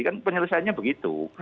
kan penyelesaiannya begitu